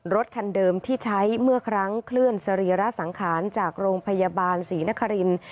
รถคันเดิมที่ใช้เมื่อครั้งเคลื่อนสรีระสังขารจากโรงพยาบาลศรีนครินทร์